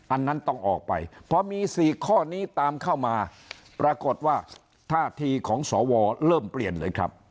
อันนั้นต้องออกไปพอมี๔ข้อนี้ตามเข้ามาปรากฏว่าท่าทีของสวเริ่มเปลี่ยนเลยครับ